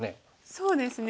そうですね。